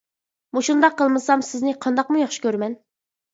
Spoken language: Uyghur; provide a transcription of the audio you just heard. مۇشۇنداق قىلمىسام سىزنى قانداقمۇ ياخشى كۆرىمەن!